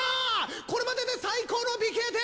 これまでで最高の美型点！